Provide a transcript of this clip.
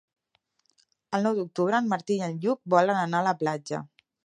El nou d'octubre en Martí i en Lluc volen anar a la platja.